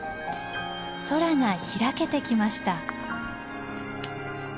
空が開けてきました。